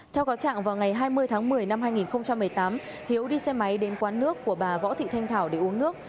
theo cáo trạng vào ngày hai mươi tháng một mươi năm hai nghìn một mươi tám hiếu đi xe máy đến quán nước của bà võ thị thanh thảo để uống nước